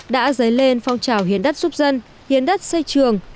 đã dấy lên phong trào hiến đất giúp dân hiến đất xây trường